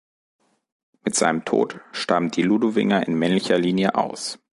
Mit seinem Tod starben die Ludowinger in männlicher Linie aus.